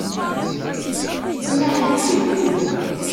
Tettmahal seg wul.